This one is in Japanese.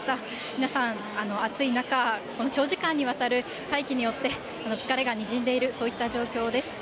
皆さん、暑い中、この長時間にわたる待機によって、疲れがにじんでいる、そういった状況です。